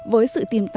với sự tìm tạo